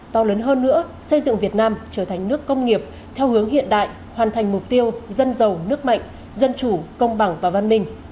to lớn hơn nữa xây dựng việt nam trở thành nước công nghiệp theo hướng hiện đại hoàn thành mục tiêu dân giàu nước mạnh dân chủ công bằng và văn minh